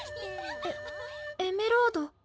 エエメロード？